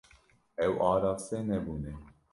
Ew araste nebûne.